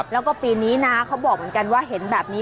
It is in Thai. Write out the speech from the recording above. แล้วก็ปีนี้นะเขาบอกเหมือนกันว่าเห็นแบบนี้